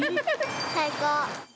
最高。